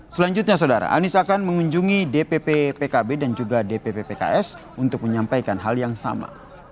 selanjutnya saudara anies akan mengunjungi dpp pkb dan juga dpp pks untuk menyampaikan hal yang sama